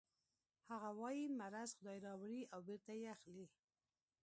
هغه وايي مرض خدای راوړي او بېرته یې اخلي